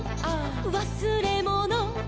「わすれもの」「」